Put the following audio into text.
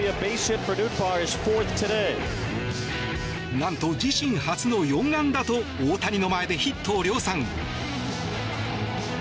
何と自身初の４安打と大谷の前でヒットを量産。